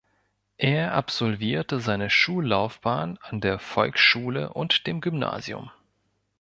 Er absolvierte seine Schullaufbahn an der Volksschule und dem Gymnasium.